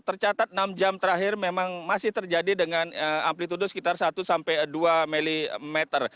tercatat enam jam terakhir memang masih terjadi dengan amplitude sekitar satu sampai dua mm